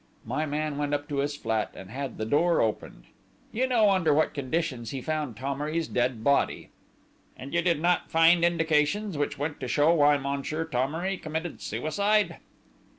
My man went up to this flat, and had the door opened. You know under what conditions he found Thomery's dead body." "And you did not find indications which went to show why Monsieur Thomery committed suicide?"